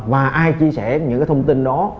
và ai chia sẻ những thông tin đó